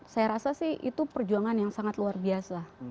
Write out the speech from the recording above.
saya rasa sih itu perjuangan yang sangat luar biasa